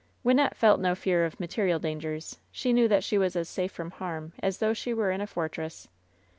Wynnette felt no fear of material dangers. She knew that she was as safe from harm as though she were in a fortress.